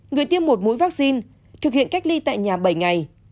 người tiêm một mũi vaccine thực hiện cách ly tại nhà bảy ngày